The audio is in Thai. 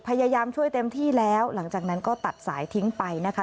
พยายามช่วยเต็มที่แล้วหลังจากนั้นก็ตัดสายทิ้งไปนะคะ